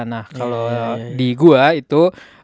nah kalau di gue itu